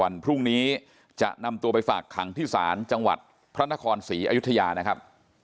พรุ่งนี้จะนำตัวไปฝากขังที่ศาลจังหวัดพระนครศรีอยุธยานะครับ